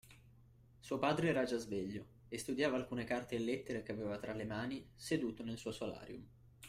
Suo padre era già sveglio, e studiava alcune carte e lettere che aveva tra le mani seduto nel suo solarium